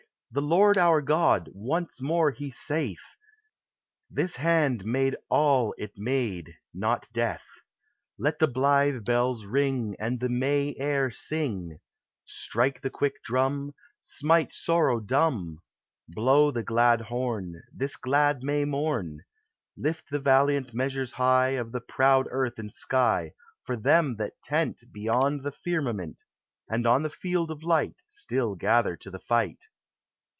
The Lord our God, once more He saith, This hand made all it made ><<>' death. Let the blithe bells ring And the May air sing; Strike the quick drum, Smite sorrow dumb ; Blow the glad horn, This glad May morn ; Lift the valiant measures high Of the proud earth and sky For them that tent Beyond the firmament, And on the field of light still gather bo the fight.